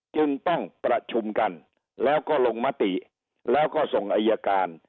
จึงต้องประชุมกันแล้วก็ลงมติแล้วก็ส่งอายการ